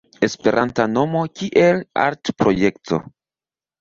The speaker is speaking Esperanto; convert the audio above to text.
Esperanta mono kiel artprojekto.